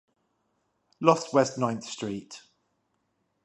Lost West Ninth Street.